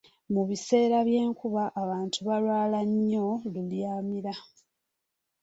Mu biseera by’enkuba abantu balwala nnyo lubyamira.